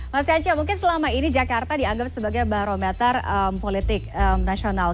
mas yance mungkin selama ini jakarta dianggap sebagai barometer politik nasional